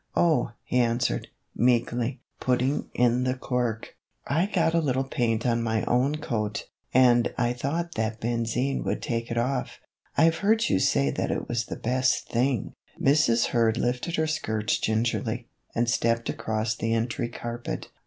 " Oh," he answered, meekly, putting in the cork, MR. HURD'S HOLIDAY. 1 05 " I got a little paint on my own coat, and I thought that benzine would take it off. I 've heard you say that it was the best thing " Mrs. Hurd lifted her skirts gingerly, and stepped across the entry carpet.